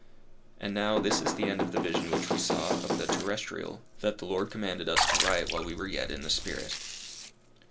And now this is the end of the vision which we saw of the terrestrial, that the Lord commanded us to write while we were yet in the Spirit.